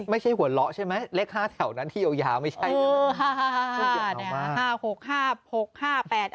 ไม่ใช่หัวเราะใช่ไหมเลข๕แถวนั้นที่ยาวไม่ใช่นะ